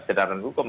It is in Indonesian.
sejarah dan hukum